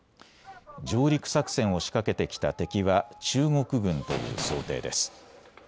上陸作戦を仕掛けてきた敵は中国軍という想定です。